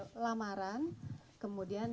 mulai lamaran kemudian